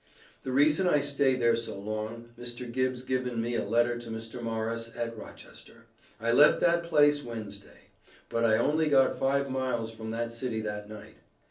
The reason I stay there so long Mr. Gibbs given me a letter to Mr Morris at Rochester. I left that place Wensday, but I only got five miles from that city that night.